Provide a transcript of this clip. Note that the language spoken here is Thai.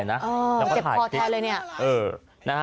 เจ็บคอแทนเลยเนี่ย